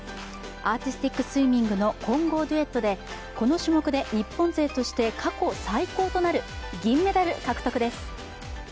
アーティスティックスイミングの混合デュエットでこの種目で日本勢として過去最高となる銀メダル獲得です。